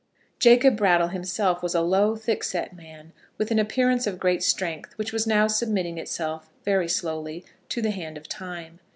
Jacob Brattle, himself, was a low, thickset man, with an appearance of great strength, which was now submitting itself, very slowly, to the hand of time.